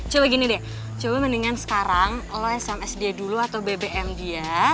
coba gini deh coba mendingan sekarang lo sms dia dulu atau bbm dia